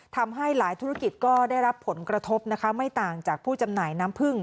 ทำให้หลายธุรกิจก็ได้รับผลกระทบนะคะไม่ต่างจากผู้จำหน่ายน้ำผึ้ง